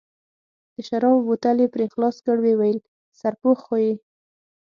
د شرابو بوتل یې پرې خلاص کړ، ویې ویل: سرپوښ خو یې.